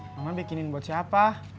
mama bikinin buat siapa